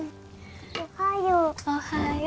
おはよう。